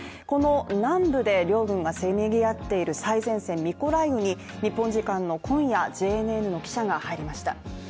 この南部で両軍がせめぎ合っている最前線、ミコライウに日本時間の今夜ＪＮＮの記者が入りました。